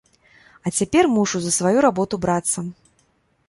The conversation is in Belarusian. А цяпер мушу за сваю работу брацца.